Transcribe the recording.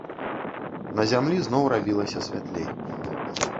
На зямлі зноў рабілася святлей.